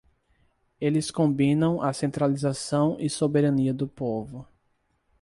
Eles combinam a centralização e soberania do povo.